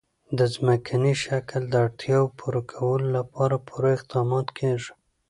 د ځمکني شکل د اړتیاوو پوره کولو لپاره پوره اقدامات کېږي.